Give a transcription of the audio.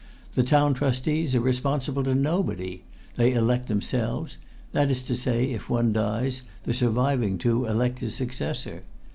The Town Trustees are responsible to nobody. They elect themselves. That is to say, if one dies, the surviving two elect his successor.